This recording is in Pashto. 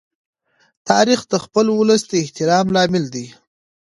تاریخ د خپل ولس د احترام لامل دی.